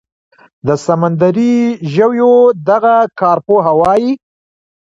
د سمندري ژویو دغه کارپوهه وايي